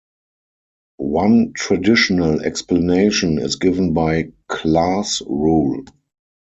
One traditional explanation is given by Clar's rule.